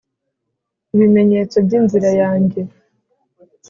ibimenyetso byinzira yanjye